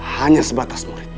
hanya sebatas murid